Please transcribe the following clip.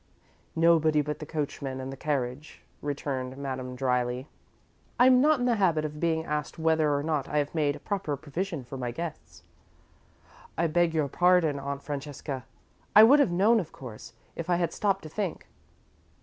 "Nobody but the coachman and the carriage," returned Madame, dryly. "I'm not in the habit of being asked whether or not I have made proper provision for my guests." "I beg your pardon, Aunt Francesca. I would have known, of course, if I had stopped to think."